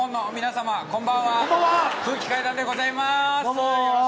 こんばんはこんばんは空気階段でございます